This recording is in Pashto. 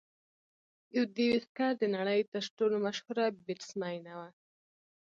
یوديوسکر د نړۍ تر ټولو مشهوره بیټسمېنه وه.